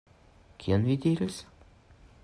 Kion vi diras?